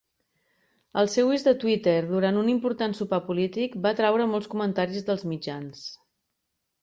El seu ús de Twitter durant un important sopar polític va atraure molts comentaris dels mitjans.